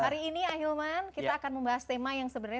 hari ini ahilman kita akan membahas tema yang sebenarnya